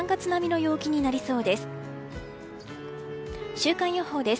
週間予報です。